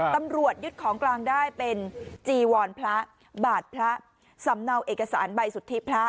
ตำรวจยึดของกลางได้เป็นจีวรพระบาทพระสำเนาเอกสารใบสุทธิพระ